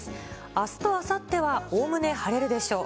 あすとあさってはおおむね晴れるでしょう。